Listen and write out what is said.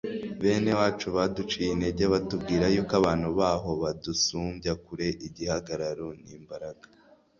bene wacu baduciye intege batubwira yuko abantu baho badusumbya kure igihagararo n’imbaraga